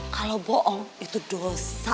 kalau bohong itu dosa